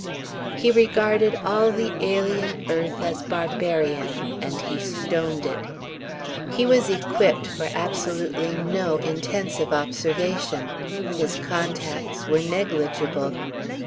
He regarded all the alien earth as barbarian, and he stoned it. He was equipped for absolutely no intensive observation. His contacts were negligible.